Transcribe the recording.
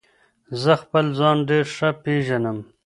زه خپل ځان ډیر ښه پیژنم.